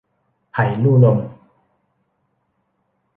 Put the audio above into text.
ไผ่ลู่ลม